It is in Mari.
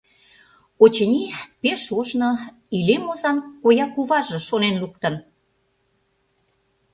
Очыни, пеш ожно илем озан коя куваже шонен луктын.